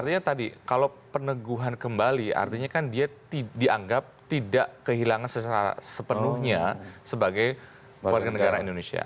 artinya tadi kalau peneguhan kembali artinya kan dia dianggap tidak kehilangan sepenuhnya sebagai warga negara indonesia